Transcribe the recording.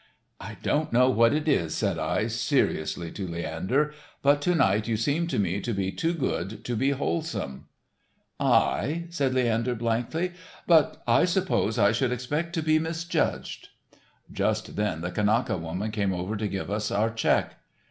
"I don't know what it is," said I seriously to Leander, "but to night you seem to me to be too good to be wholesome." "I," said Leander, blankly. "But I suppose I should expect to be misjudged." Just then the Kanaka woman came over to give us our check.